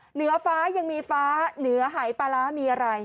เหนือฟ้ายังมีฟ้าเหนือหายปลาร้ามีอะไร